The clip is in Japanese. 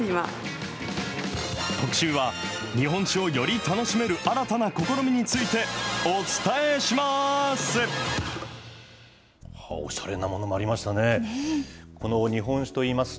特集は、日本酒をより楽しめる新たな試みについてお伝えします。